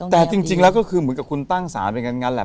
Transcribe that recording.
แต่จริงแล้วก็คือเหมือนกับคุณตั้งศาลเป็นอย่างนั้นแหละ